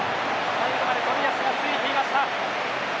最後まで冨安がついていました。